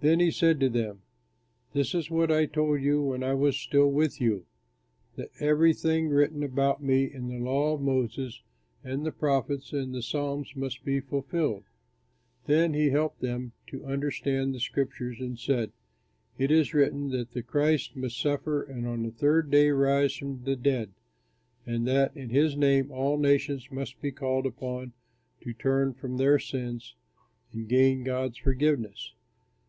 Then he said to them, "This is what I told you when I was still with you, that everything written about me in the law of Moses and the prophets and the psalms must be fulfilled." Then he helped them to understand the scriptures, and said, "It is written that the Christ must suffer and on the third day rise from the dead, and that in his name all nations must be called upon to turn from their sins and gain God's forgiveness.